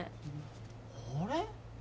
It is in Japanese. あれ？